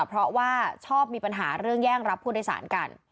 เพราะว่าชอบมีปัญหาเรื่องแย่งรับผู้โดยสารกัน